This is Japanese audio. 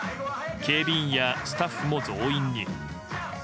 警備員やスタッフも増員に。